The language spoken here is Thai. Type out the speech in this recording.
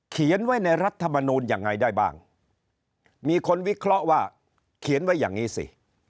เขียนไว้ในรัฐมนูลยังไงได้บ้างมีคนวิเคราะห์ว่าเขียนไว้อย่างนี้สิ